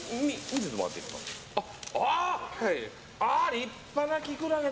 立派なキクラゲだ。